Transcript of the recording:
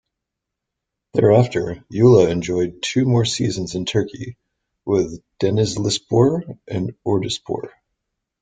Thereafter, Youla enjoyed two more seasons in Turkey, with Denizlispor and Orduspor.